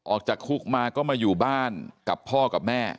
ออกจากคุกมาก็มาอยู่บ้านกับพ่อกับแม่